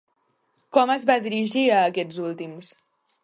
Com es va dirigir a aquests últims?